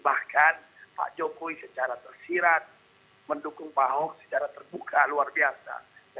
bahkan pak jokowi secara tersirat mendukung pak ahok secara terbuka luar biasa